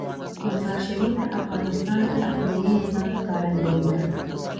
مزارشریف د افغانستان د اقلیمي نظام ښکارندوی ده.